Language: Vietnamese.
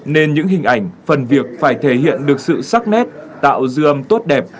nên những hình ảnh phần việc phải thể hiện được sự sắc nét tạo dư âm tốt đẹp